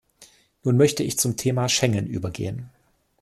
Nun möchte ich zum Thema Schengen übergehen.